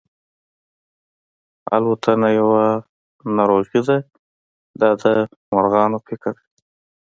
الوتنه یوه ناروغي ده دا د مرغانو فکر دی.